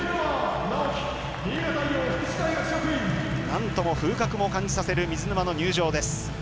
なんとも風格も感じさせる水沼の入場です。